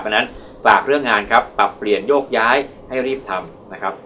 เพราะฉะนั้นฝากเรื่องงานครับปรับเปลี่ยนโยกย้ายให้รีบทำนะครับ